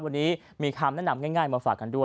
วันนี้มีคำแนะนำง่ายมาฝากกันด้วย